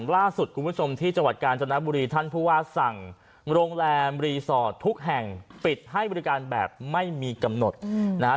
ล่าสุดคุณผู้ชมที่จังหวัดกาญจนบุรีท่านผู้ว่าสั่งโรงแรมรีสอร์ททุกแห่งปิดให้บริการแบบไม่มีกำหนดนะฮะ